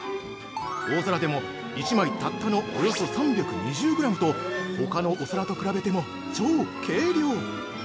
大皿でも、１枚たったのおよそ３２０グラムとほかのお皿と比べても超軽量！